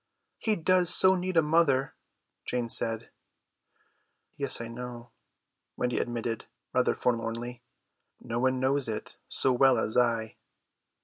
"He does so need a mother," Jane said. "Yes, I know," Wendy admitted rather forlornly; "no one knows it so well as I."